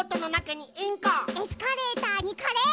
エスカレーターにカレー！